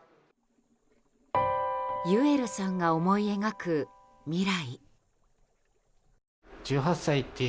優流さんが思い描く未来。